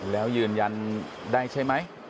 แล้วยืนยันได้ใช่ไหม